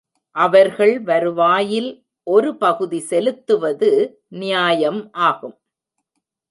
அவர்கள் வருவாயில் ஒரு பகுதி செலுத்துவது நியாயம் ஆகும்.